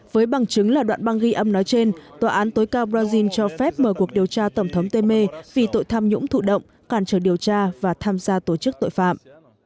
với bằng chứng là đoạn băng ghi âm nói trên tòa án tối cao brazil cho phép mở cuộc điều tra tổng thống temer vì tội tham nhũng thụ động cản trở điều tra và tham gia tổ chức tội phạm